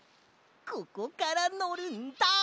ここからのるんだ！